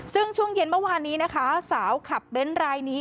ซึ่งช่วงเย็นเมื่อวานนี้นะคะสาวขับเบ้นรายนี้